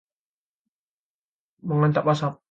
Menggantang asap